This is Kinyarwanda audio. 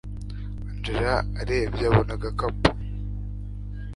angella arebye abona agakapu